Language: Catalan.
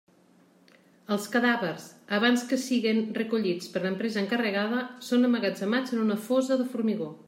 Els cadàvers, abans que siguen recollits per l'empresa encarregada, són emmagatzemats en una fossa de formigó.